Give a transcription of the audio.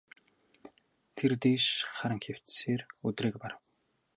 Тэр дээш харан хэвтсээр өдрийг барав.